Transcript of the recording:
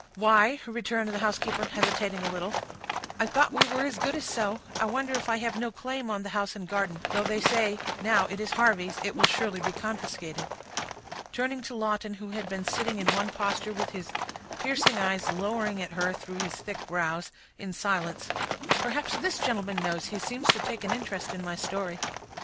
"Why," returned the housekeeper, hesitating a little, "I thought we were as good as so. I wonder if I have no claim on the house and garden; though they say, now it is Harvey's, it will surely be confiscated." Turning to Lawton, who had been sitting in one posture, with his piercing eyes lowering at her through his thick brows, in silence, "Perhaps this gentleman knows—he seems to take an interest in my story."